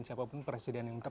siapapun presiden yang terpilih